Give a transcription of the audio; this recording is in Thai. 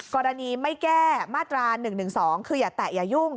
กรณีไม่แก้มาตรา๑๑๒คืออย่าแตะอย่ายุ่ง